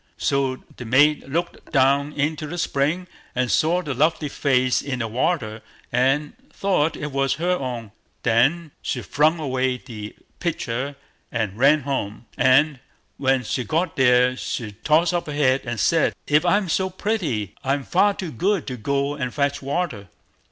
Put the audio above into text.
So the maid looked down into the spring, saw the lovely face in the water, and thought it was her own; then she flung away the pitcher, and ran home; and, when she got there, she tossed up her head and said, "If I'm so pretty, I'm far too good to go and fetch water."